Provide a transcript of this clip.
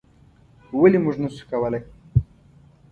ولې موږ نشو کولی؟